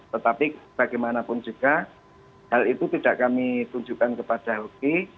tetapi bagaimanapun juga hal itu tidak kami tunjukkan kepada hoki